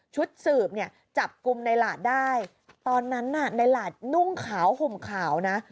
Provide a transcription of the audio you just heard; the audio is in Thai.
ชุดสืบเนี่ยจับกลุ่มในหลาดได้ตอนนั้นน่ะในหลาดนุ่งขาวห่มขาวนะ